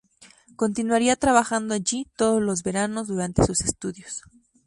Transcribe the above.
Continuaría trabajando allí, todos los veranos, durante sus estudios.